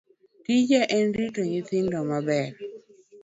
Tija en rito nyithindo maber